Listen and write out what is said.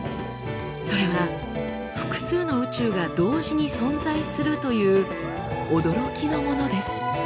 それは複数の宇宙が同時に存在するという驚きのものです。